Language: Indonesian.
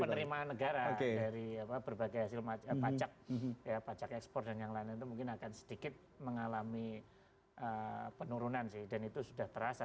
penerimaan negara dari berbagai hasil pajak ekspor dan yang lain itu mungkin akan sedikit mengalami penurunan sih dan itu sudah terasa